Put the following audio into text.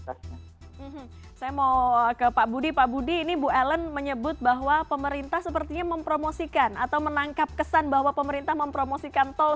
saya mau ke pak budi pak budi ini bu ellen menyebut bahwa pemerintah sepertinya mempromosikan atau menangkap kesan bahwa pemerintah mempromosikan tol